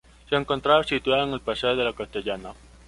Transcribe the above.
Se encontraba situado en el paseo de la Castellana.